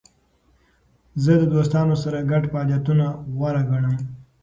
زه د دوستانو سره ګډ فعالیتونه غوره ګڼم.